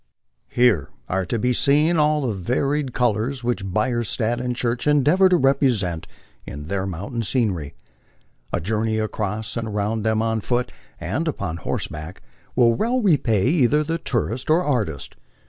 Here are to be seen all the varied colors which Bierstadt and Church en deavor to represent in their mountain scenery. A journey across and around them on foot and upon horseback will well repay either the tourist or artist.